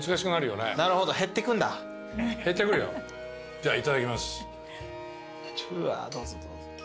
じゃあいただきます。